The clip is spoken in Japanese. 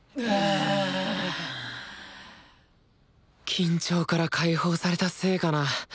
緊張から解放されたせいかな